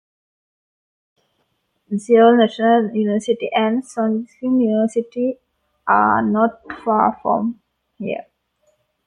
Seoul National University and Soongsil University are not far from here.